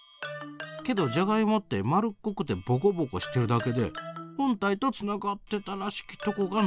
けどじゃがいもって丸っこくてぼこぼこしてるだけで本体とつながってたらしきとこがないねん。